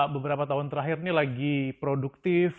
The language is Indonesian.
beberapa tahun terakhir ini lagi produktif